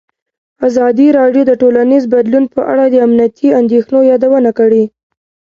ازادي راډیو د ټولنیز بدلون په اړه د امنیتي اندېښنو یادونه کړې.